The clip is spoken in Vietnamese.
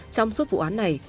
trong suốt vụ án này